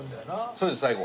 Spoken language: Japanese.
そうです最後。